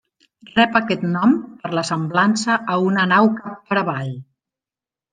Rep aquest nom per la semblança a una nau cap per avall.